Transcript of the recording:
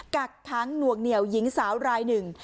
กักค้างหน่วงเหนียวหญิงสาวรายหนึ่ง